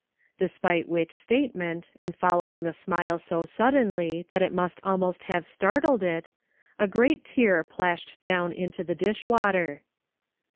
Despite which statement, and following the smile so suddenly that it must almost have startled it, a great tear plashed down into the dishwater.